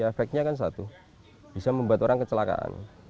efeknya kan satu bisa membuat orang kecelakaan